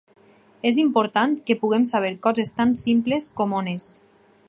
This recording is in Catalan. És important que puguem saber coses tan simples com on és.